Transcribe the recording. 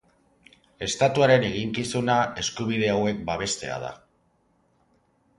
Estatuaren eginkizuna eskubide hauek babestea da.